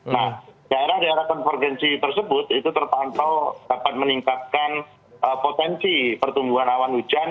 nah daerah daerah konvergensi tersebut itu terpantau dapat meningkatkan potensi pertumbuhan awan hujan